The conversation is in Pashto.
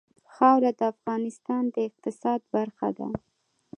خاوره د افغانستان د اقتصاد برخه ده.